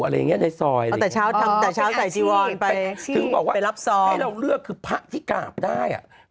อะไรงี้ซอยต่างพูดถึงบอกว่าไม่รับซอมเรื่องเรื่องคืนภาคที่แกกลางไปได้อะ